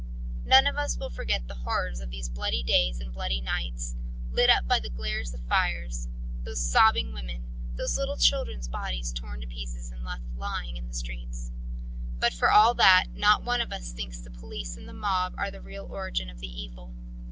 "None of us will forget the horrors of those bloody days and bloody nights lit up by the glare of fires, those sobbing women, those little children's bodies torn to pieces and left lying in the street. But for all that not one of us thinks that the police and the mob are the real origin of the evil.